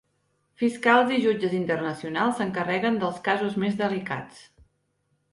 Fiscals i jutges internacionals s'encarreguen dels casos més delicats.